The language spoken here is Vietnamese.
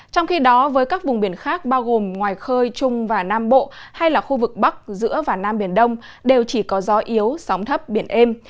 trong khi đó với các vùng biển khác bao gồm ngoài khơi trung và nam bộ hay là khu vực bắc giữa và nam biển đông đều chỉ có gió yếu sóng thấp biển êm